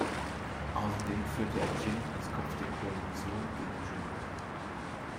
Außerdem führte er Jin als Kopf der Koalition gegen Chu.